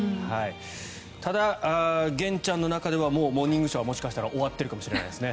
ただ、玄ちゃんの中ではもう「モーニングショー」はもしかしたら終わってるかもしれないですね。